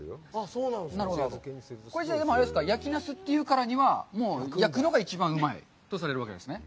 これは「やきなす」というからには焼くのが一番うまいとされるわけですね。